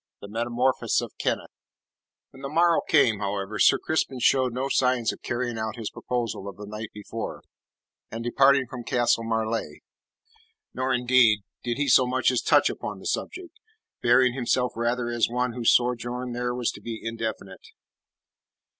THE METAMORPHOSIS OF KENNETH When the morrow came, however, Sir Crispin showed no signs of carrying out his proposal of the night before, and departing from Castle Marleigh. Nor, indeed, did he so much as touch upon the subject, bearing himself rather as one whose sojourn there was to be indefinite.